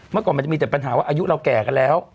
เมื่อก่อนมันจะมีแต่ปัญหาว่าอายุเราแก่กันแล้ว